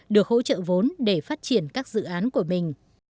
được hỗ trợ vốn để phát triển các dự án của mình